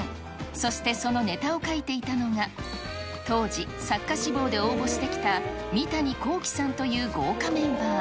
そしてそのネタを書いていたのが、当時、作家志望で応募してきた三谷幸喜さんという豪華メンバー。